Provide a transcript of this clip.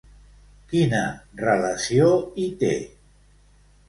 Quina relació hi té?